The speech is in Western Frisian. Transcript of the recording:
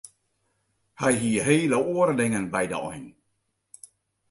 Hy hie hele oare dingen by de ein.